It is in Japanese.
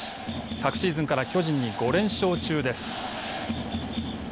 昨シーズンから巨人に５連勝中です。